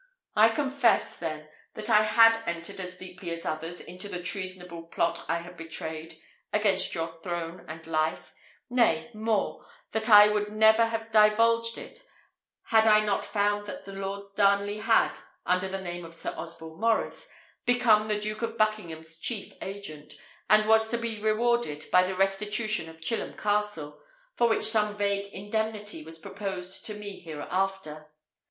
I confess, then, that I had entered as deeply as others into the treasonable plot I have betrayed against your throne and life; nay, more that I would never have divulged it, had I not found that the Lord Darnley had, under the name of Sir Osborne Maurice, become the Duke of Buckingham's chief agent, and was to be rewarded by the restitution of Chilham Castle, for which some vague indemnity was proposed to me hereafter.